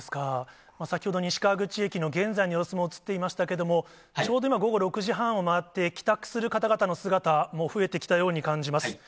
先ほど西川口駅の現在の様子も映っていましたけれども、ちょうど今、午後６時半を回って、帰宅する方々の姿も増えてきたように感じます。